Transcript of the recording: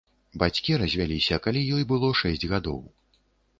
Бацькі развяліся, калі ёй было шэсць гадоў.